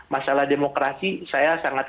masalah demokrasi saya sangat